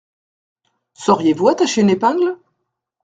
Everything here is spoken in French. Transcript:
Sauriez-vous attacher une épingle ?